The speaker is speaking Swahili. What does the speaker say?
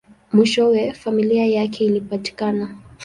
Mwishowe, familia yake ilipatikana.